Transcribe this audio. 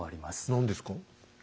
何ですか？